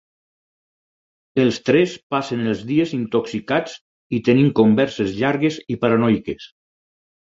Els tres passen els dies intoxicats i tenint converses llargues i paranoiques.